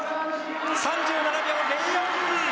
３７秒０４。